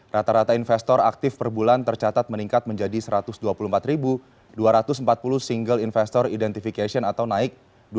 rata rata investor aktif per bulan tercatat meningkat menjadi satu ratus dua puluh empat dua ratus empat puluh single investor identification atau naik